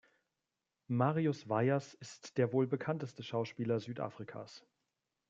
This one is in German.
Marius Weyers ist der wohl bekannteste Schauspieler Südafrikas.